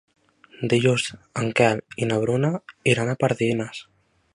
Dilluns en Quel i na Bruna iran a Pardines.